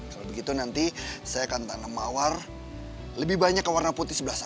kalau begitu nanti saya akan tanam mawar lebih banyak ke warna putih sebelah sana